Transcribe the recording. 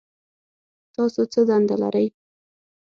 تاسو څه دنده لرئ؟